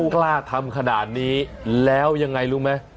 กล้าทำขนาดนี้แล้วยังไงรู้ไหม